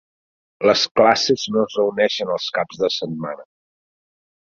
Les classes no es reuneixen els caps de setmana.